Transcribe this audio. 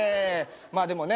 でもね